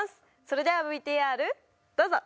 それではＶＴＲどうぞ！